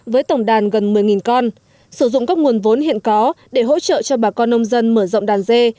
với tổng đàn gần một mươi con sử dụng các nguồn vốn hiện có để hỗ trợ cho bà con nông dân mở rộng đàn dê